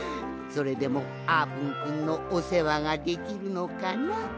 それでもあーぷんくんのおせわができるのかな？